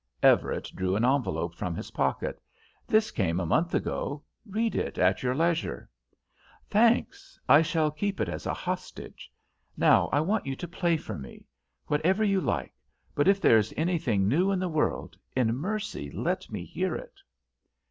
Everett drew an envelope from his pocket. "This came a month ago. Read it at your leisure." "Thanks. I shall keep it as a hostage. Now I want you to play for me. Whatever you like; but if there is anything new in the world, in mercy let me hear it."